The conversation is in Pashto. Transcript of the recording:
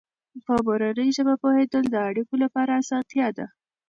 په مورنۍ ژبه پوهېدل د اړیکو لپاره اسانتیا ده.